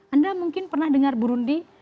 anda mungkin pernah dengar burundi